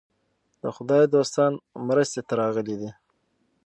د خدای دوستان مرستې ته راغلي دي.